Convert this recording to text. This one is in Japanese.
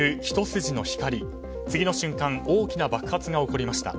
次の瞬間大きな爆発が起こりました。